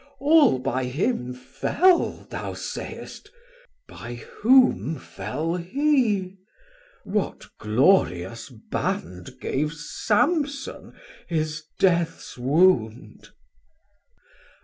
All by him fell thou say'st, by whom fell he, 1580 What glorious band gave Samson his deaths wound?